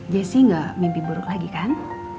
jessi nggak mimpi buruk lagi kan